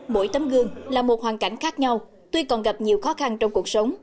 mỗi tấm gương là một hoàn cảnh khác nhau tuy còn gặp nhiều khó khăn trong cuộc sống